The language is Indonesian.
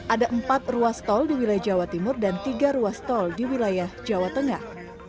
ada empat ruas tol di wilayah jawa timur dan tiga ruas tol di wilayah jawa tengah